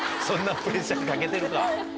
そんなプレッシャーかけてるか。